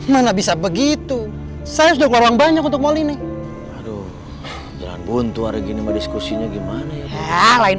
mana bisa begitu saya sudah kuno lang banyak untuk moli articles kurup oriental discusinya gimana alain